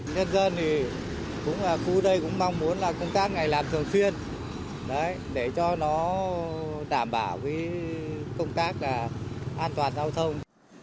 nhân dân thì cũng là khu đây cũng mong muốn là công tác này làm thường xuyên để cho nó đảm bảo công tác an toàn giao thông